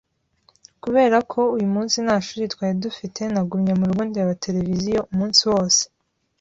Kubera ko uyu munsi nta shuri twari dufite, nagumye mu rugo ndeba televiziyo umunsi wose.